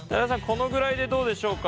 このぐらいでどうでしょうか？